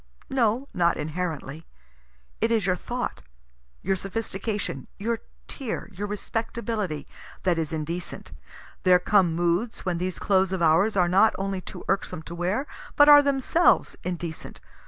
No, not inherently. It is your thought, your sophistication, your tear, your respectability, that is indecent. There come moods when these clothes of ours are not only too irksome to wear, but are themselves indecent.